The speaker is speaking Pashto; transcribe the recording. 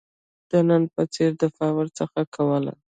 د نن په څېر دفاع ورڅخه کوله.